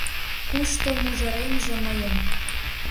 Кушто мужыремже мыйын